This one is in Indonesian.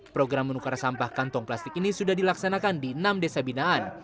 program menukar sampah kantong plastik ini sudah dilaksanakan di enam desa binaan